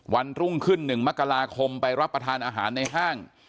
วันรุ่งขึ้น๑มกราคมไปรับประทานอาหารในห้าง